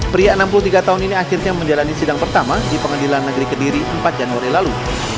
pria enam puluh tiga tahun ini akhirnya menjalani sidang pertama di pengadilan negeri kediri empat januari lalu